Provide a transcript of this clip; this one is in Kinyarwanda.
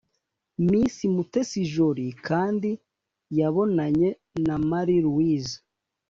Miss Mutesi Jolly kandi yabonanye na Maria Luise